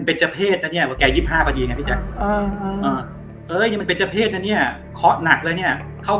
โอ้โฮนี่มันเป็นเจอเพศนั้นเงี้ย